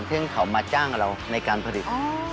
ซึ่งเขามาจ้างกับเราในการผลิต